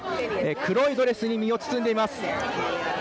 黒いドレスに身を包んでいます。